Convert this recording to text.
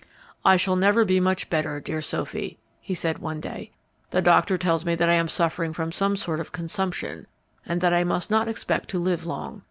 "I shall never be much better, dear Sophy," he said one day. "The doctor tells me that I am suffering from some sort of consumption, and that I must not expect to live long.